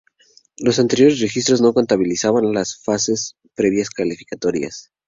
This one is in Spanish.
Los anteriores registros no contabilizan las fases previas clasificatorias.